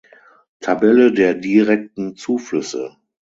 Tabelle der direkten Zuflüsse.